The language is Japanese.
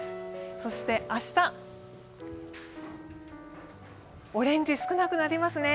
そして明日、オレンジ、少なくなりますね。